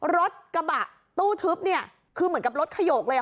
รถกระบะตู้ทึบเนี่ยคือเหมือนกับรถขยกเลย